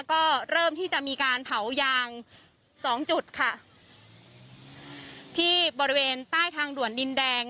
ก็เริ่มที่จะมีการเผายางสองจุดค่ะที่บริเวณใต้ทางด่วนดินแดง